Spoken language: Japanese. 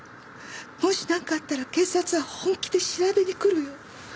もしなんかあったら警察は本気で調べにくるよ。